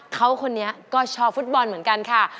เขาคนนี้ก็ชอบฟุตบอลเหมือนกันค่ะ